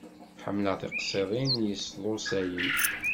Ḥemmleɣ tiqsiḍin yesḍusayen.